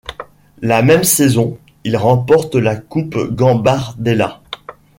La même saison, il remporte la Coupe Gambardella.